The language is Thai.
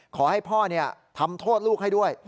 ขอให้พ่อทำโทษลูกให้ด้วย